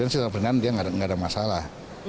tidak ada masalah